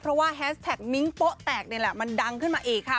เพราะว่าแฮสแท็กมิ้งโป๊ะแตกนี่แหละมันดังขึ้นมาอีกค่ะ